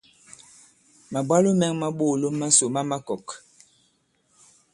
Màbwalo mɛ̄ŋ ma ɓoòlom masò ma makɔ̀k.